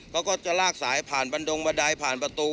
เขาก็จะลากสายผ่านบันดงบันไดผ่านประตู